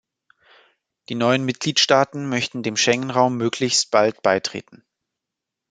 Die neuen Mitgliedstaaten möchten dem Schengen-Raum möglichst bald beitreten.